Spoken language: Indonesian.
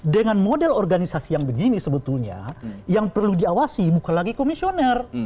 dengan model organisasi yang begini sebetulnya yang perlu diawasi bukan lagi komisioner